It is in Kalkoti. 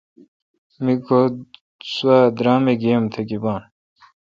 می گو سوا درامہ گیی ام تہ گیبان۔